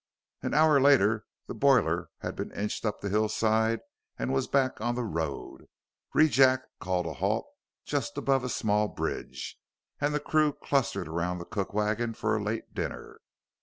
An hour later the boiler had been inched up the hillside and was back on the road. Rejack called a halt just above a small bridge, and the crew clustered around the cook wagon for a late dinner.